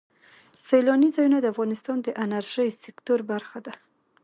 سیلاني ځایونه د افغانستان د انرژۍ سکتور برخه ده.